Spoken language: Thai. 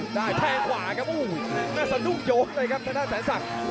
ได้แทงขวากับโอ้โหหน้าสนุกโยงเลยครับหน้าสารสัก